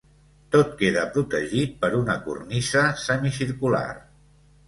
Tot queda protegit per una cornisa semicircular.